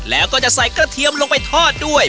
แล้วก็จะใส่กระเทียมลงไปทอดด้วย